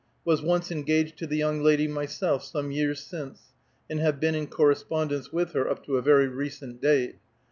Was once engaged to the young lady myself some years since, and have been in correspondence with her up to a very recent date.